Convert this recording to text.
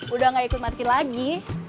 udah nggak ikut parkir lagi